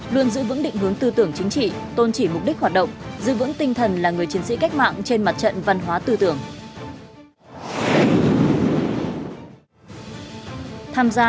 luôn giữ vững định hướng tư tưởng chính trị tôn chỉ mục đích hoạt động giữ vững tinh thần là người chiến sĩ cách mạng trên mặt trận văn hóa tư tưởng